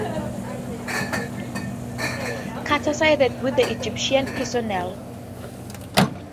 Carter sided with the Egyptian personnel.